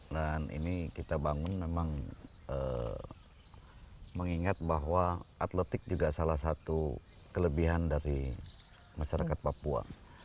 dan ini kita bangun memang mengingat bahwa atletik juga salah satu kelebihan dari masyarakat papua